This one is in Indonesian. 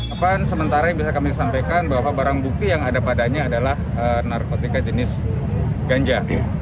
apaan sementara yang bisa kami sampaikan bahwa barang bukti yang ada padanya adalah narkotika jenis ganja